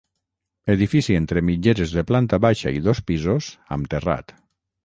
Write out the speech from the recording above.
Edifici entre mitgeres de planta baixa i dos pisos amb terrat.